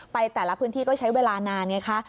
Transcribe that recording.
แต่ละพื้นที่ก็ใช้เวลานานไงคะ